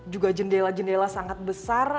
juga jendela jendela sangat besar